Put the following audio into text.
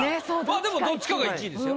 あっでもどっちかが１位ですよ。